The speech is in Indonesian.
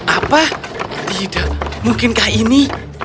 apa tidak mungkinkah ini